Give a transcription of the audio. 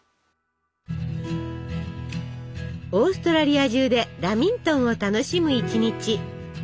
オーストラリア中でラミントンを楽しむ一日。